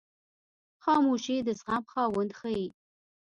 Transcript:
خاموشي، د زغم خاوند ښیي.